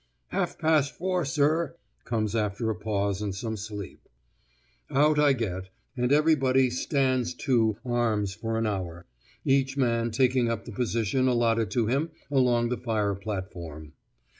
'Half past four, sir,' comes after a pause and some sleep. Out I get, and everybody 'stands to' arms for an hour, each man taking up the position allotted to him along the fire platform.